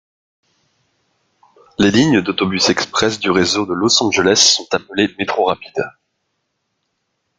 Les lignes d'autobus express du réseau de Los Angeles sont appelées Metro Rapid.